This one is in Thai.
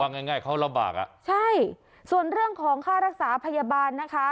ง่ายง่ายเขาลำบากอ่ะใช่ส่วนเรื่องของค่ารักษาพยาบาลนะคะ